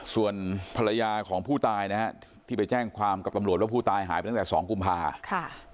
ส่วนภรรยาของผู้ตายนะฮะที่ไปแจ้งความกับตำรวจว่าผู้ตายหายไปตั้งแต่๒กุมภา